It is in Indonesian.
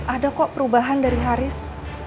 ada kok perubahan dari haris